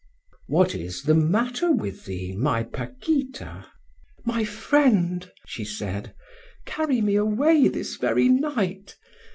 "What is the matter with thee, my Paquita?" "My friend," she said, "carry me away this very night.